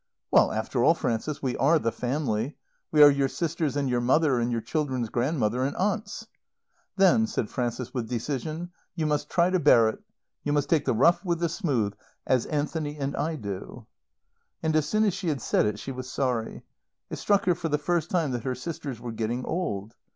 "Well, after all, Frances, we are the family. We are your sisters and your mother and your children's grand mother and aunts." "Then," said Frances with decision, "you must try to bear it. You must take the rough with the smooth, as Anthony and I do." And as soon as she had said it she was sorry. It struck her for the first time that her sisters were getting old.